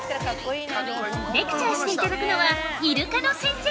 レクチャーしていただくのはイルカ野先生。